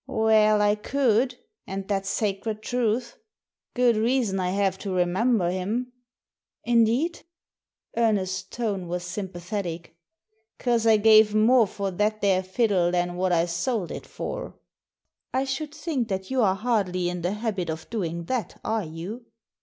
"Well, I could, and that's sacred truth. Good reason I have to remember him." "Indeed?" Ernest's tone was sympathetic " 'Cause I gave more for that there fiddle than what I sold it for." " I should think that you are hardly in the habit of doing that, are you